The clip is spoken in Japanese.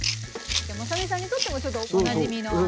まさみさんにとってもおなじみの。